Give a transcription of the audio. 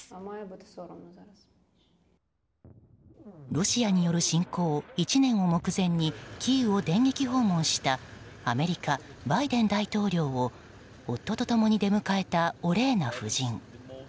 ロシアによる侵攻１年を目前にキーウを電撃訪問したアメリカ、バイデン大統領を夫と共に出迎えたオレーナ夫人。